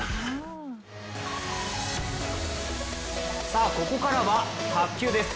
さあ、ここからは卓球です。